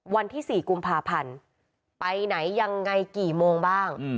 วันที่๔กุมภาพันธ์ไปไหนยังไงกี่โมงบ้าง